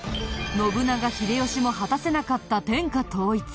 信長秀吉も果たせなかった天下統一。